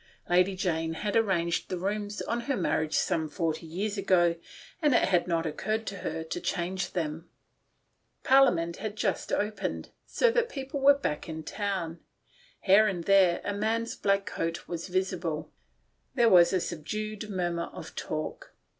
Lady Jane had arranged the 94 A KETTLEDRUM AT LADY JANWS. 95 rooms on her marriage some forty years ago, and it had not occurred to her to change them. Parliament had just opened ; people were back in town. Here and there a man's black coat was visible. There was a subdued mur mur of talk.